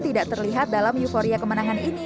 tidak terlihat dalam euforia kemenangan ini